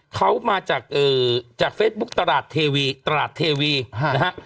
เขามาจากเฟซบุ๊คตลาดเทวีตราดเทวีนะฮะ